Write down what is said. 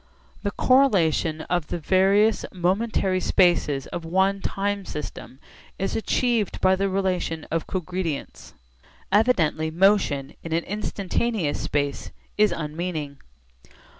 The correlation of the various momentary spaces of one time system is achieved by the relation of cogredience. Evidently motion in an instantaneous space is unmeaning.